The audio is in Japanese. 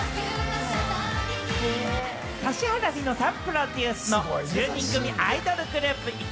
指原莉乃さんプロデュースの１０人組アイドルグループ・＝